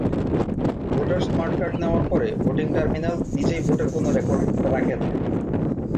Voter smart card নেওয়ার পরে voting terminal নিজেই ভোটের কোনও রেকর্ড রাখে না।